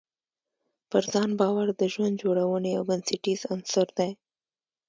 پر ځان باور د ژوند جوړونې یو بنسټیز عنصر دی.